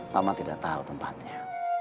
paman tidak tahu tempatnya